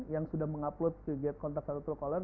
yang sudah meng upload ke getkontak satu com